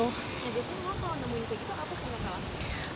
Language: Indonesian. biasanya kalau nemuin kayak gitu apa sih yang nggak langsung